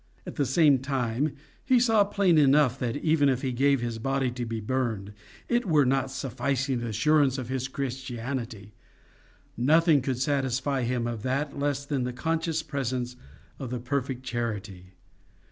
At the same time he saw plain enough that even if he gave his body to be burned, it were no sufficing assurance of his Christianity: nothing could satisfy him of that less than the conscious presence of the perfect charity.